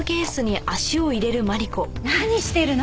何してるの？